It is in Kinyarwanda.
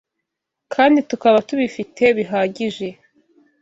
kandi tukaba tubifite bihagije,